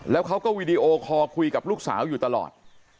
แล้วเขาก็วีดีโอคอลคุยกับลูกสาวอยู่ตลอด